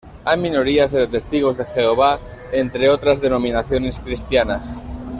Hay minorías de testigos de Jehová, entre otras denominaciones cristianas.